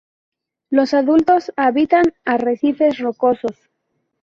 Los adultos habitan arrecifes rocosos.